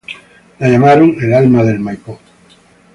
La llamaron "El alma del Maipo".